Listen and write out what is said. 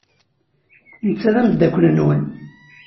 Netta d ameddakel-nwen.